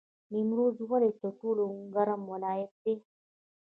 نیمروز ولې تر ټولو ګرم ولایت دی؟